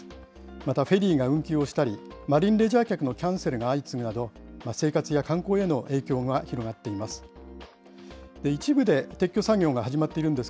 またフェリーが運休をしたり、マリンレジャー客のキャンセルが相次ぐなど、生活や観光への影響が広がっています。